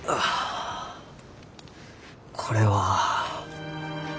これは。